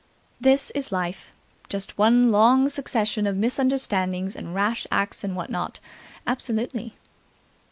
That is Life. Just one long succession of misunderstandings and rash acts and what not. Absolutely!)